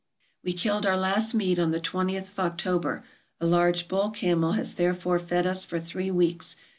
We killed our last meat on the twentieth of October; a large bull camel has therefore fed us for three weeks.